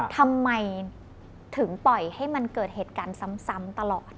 ทำไมถึงปล่อยให้มันเกิดเหตุการณ์ซ้ำตลอด